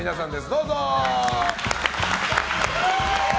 どうぞ！